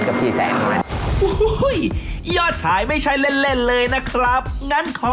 โอ้โฮ